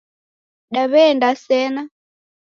Daw'eenda sena?